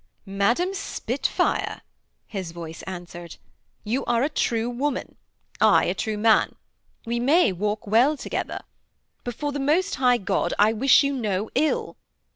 'Madam Spitfire,' his voice answered, 'you are a true woman; I a true man. We may walk well together. Before the Most High God I wish you no ill.'